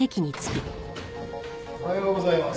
おはようございます。